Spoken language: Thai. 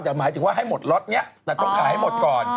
แต่หมายถึงว่าให้หมดล็อตนี้แต่ต้องขายให้หมดก่อน